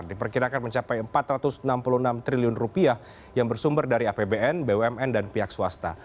diperkirakan mencapai rp empat ratus enam puluh enam triliun yang bersumber dari apbn bumn dan pihak swasta